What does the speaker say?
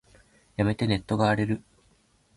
やめて、ネットが荒れる。